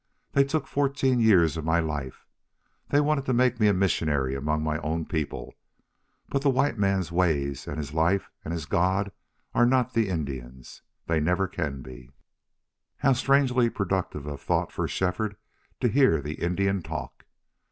They took fourteen years of my life. They wanted to make me a missionary among my own people. But the white man's ways and his life and his God are not the Indian's. They never can be." How strangely productive of thought for Shefford to hear the Indian talk!